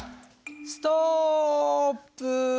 ストップ！